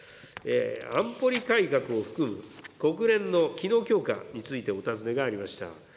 安保理改革を含む国連の機能強化についてお尋ねがありました。